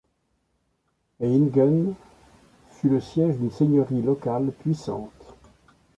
Ehingen fut au et au s le siège d'une seigneurie locale puissante.